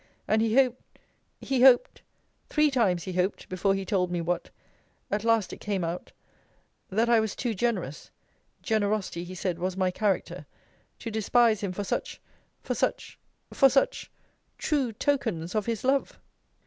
] And he hoped he hoped three times he hoped, before he told me what at last it came out, that I was too generous (generosity, he said, was my character) to despise him for such for such for such true tokens of his love.